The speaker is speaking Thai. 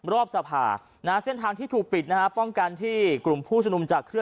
รอบสภาเส้นทางที่ถูกปิดป้องกันที่กลุ่มผู้ชนมจักรค่ะ